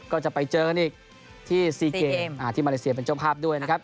ก็จะไปเจอกันอีกที่๔เกมที่มาเลเซียเป็นเจ้าภาพด้วยนะครับ